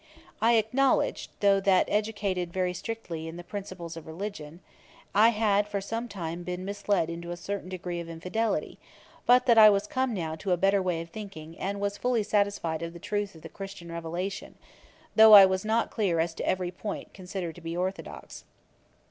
] I acknowledged, that though educated very strictly in the principles of religion, I had for some time been misled into a certain degree of infidelity; but that I was come now to a better way of thinking, and was fully satisfied of the truth of the Christian revelation, though I was not clear as to every point considered to be orthodox.